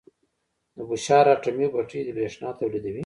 د بوشهر اټومي بټۍ بریښنا تولیدوي.